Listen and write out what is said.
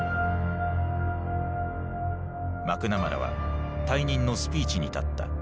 マクナマラは退任のスピーチに立った。